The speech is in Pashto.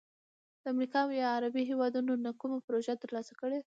د امریکا او یا عربي هیوادونو نه کومه پروژه تر لاسه کړي،